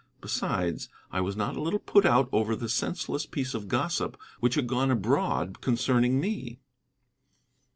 Besides, I was not a little put out over the senseless piece of gossip which had gone abroad concerning me.